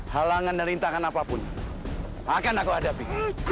halangan dan rintangan apapun akan aku hadapi